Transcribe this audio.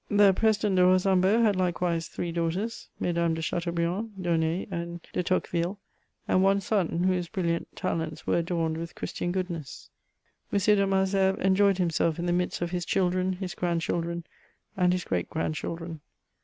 The President de Ro sambo had likewise three daughters, — Mesdames de Chateau briand, d'Aulnay, and de Tocqueville; and one son, whose brilliant talents were adorned with Christian goodness. M. de Malesherbes enjoyed himself in the midst of his children, his grandchildren, and his great grandchildren.